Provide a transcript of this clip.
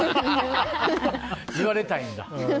言われたいんだ。